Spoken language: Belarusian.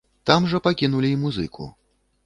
Там жа пакінулі і музыку.